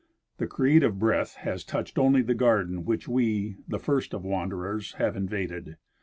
The creative breath has touched only the garden which we, the first of wanderers, have invaded.